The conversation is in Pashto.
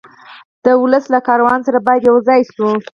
د ولس له کاروان سره باید یو ځای شو.